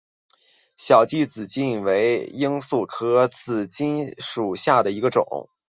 小距紫堇为罂粟科紫堇属下的一个种。